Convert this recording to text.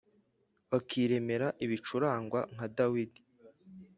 Bakiremera ibicurangwa nka dawidi